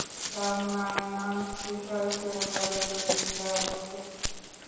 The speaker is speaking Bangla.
তার মাইনর বিষয় ছিল পদার্থবিদ্যা ও গণিত।